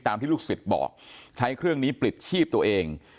ที่ลูกศิษย์บอกใช้เครื่องนี้ปลิดชีพตัวเอง